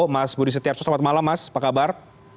mas budi setiarso selamat malam mas apa kabar